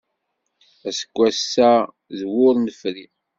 Aseggas-a d wur nefri.